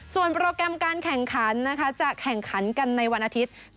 ส่วนโปรแกรมการแข่งขันนะคะจะแข่งขันกันในวันอาทิตย์